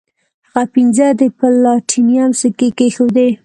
هغه پنځه د پلاټینم سکې کیښودې.